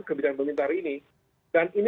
kebijakan pemerintah hari ini dan ini